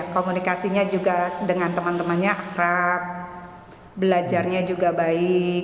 komunikasinya juga dengan teman temannya akrab belajarnya juga baik